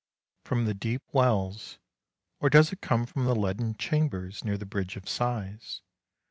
From the deep wells — or does it come from the leaden chambers near the Bridge of Sighs?